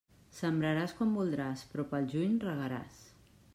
Sembraràs quan voldràs, però pel juny regaràs.